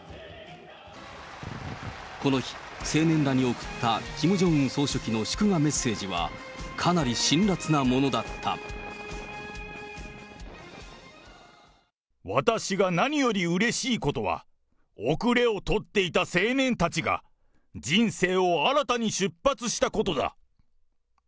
この日、青年団におくったキム・ジョンウン総書記の祝賀メッセージは、か私が何よりうれしいことは、後れを取っていた青年たちが、人生を新たに出発したことだ。